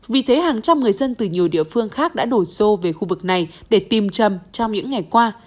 vì thế hàng trăm người dân từ nhiều địa phương khác đã đổ xô về khu vực này để tìm trầm trong những ngày qua